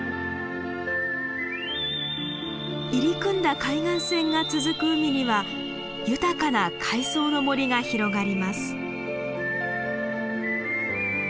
入り組んだ海岸線が続く海には豊かな海藻の森が広がります。